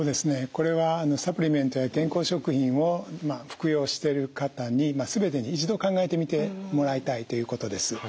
これはサプリメントや健康食品を服用してる方に全てに一度考えてみてもらいたいということです。